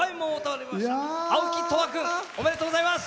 おめでとうございます。